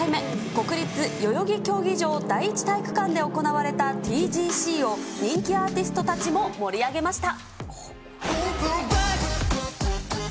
国立代々木競技場第１体育館で行われたＴＧＣを、人気アーティストたちも盛り上げました。